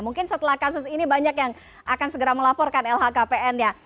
mungkin setelah kasus ini banyak yang akan segera melaporkan lhkpn nya